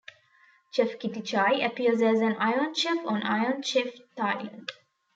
Chef Kittichai appears as an Iron Chef on Iron Chef Thailand.